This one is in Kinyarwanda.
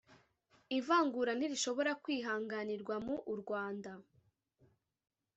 Ivangura ntirishobora kwihanganirwa mu urwanda